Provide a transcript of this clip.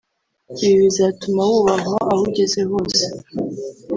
ibi bizatuma wubahwa aho ugeze hose